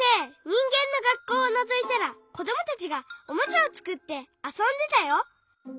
にんげんの学校をのぞいたらこどもたちがおもちゃをつくってあそんでたよ。